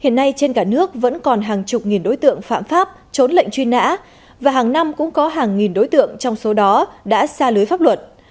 hiện nay trên cả nước vẫn còn hàng chục nghìn đối tượng phạm pháp trốn lệnh truy nã và hàng năm cũng có hàng nghìn đối tượng trong số đó đã xa lưới pháp luật